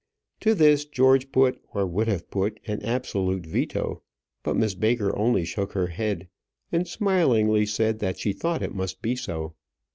To this George put, or would have put, an absolute veto; but Miss Baker only shook her head, and smilingly said that she thought it must be so.